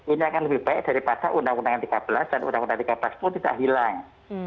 ini akan lebih baik daripada undang undang tiga belas dan undang undang tiga belas pun tidak hilang